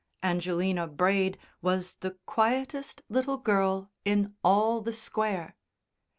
Angelina Braid was the quietest little girl in all the Square.